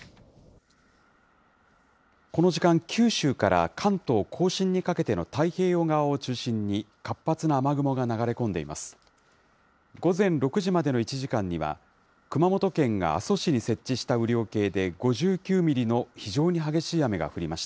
この時間、九州から関東甲信にかけての太平洋側を中心に、活発な雨雲が流れ込んでいます。